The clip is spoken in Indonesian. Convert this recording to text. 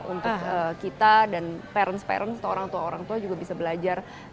untuk kita dan orang tua orang tua juga bisa belajar